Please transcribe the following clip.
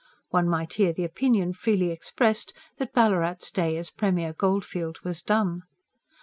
One might hear the opinion freely expressed that Ballarat's day as premier goldfield was done.